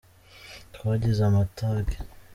twagize amatage.